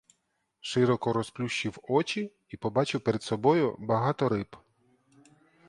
Широко розплющив очі і побачив перед собою багато риб.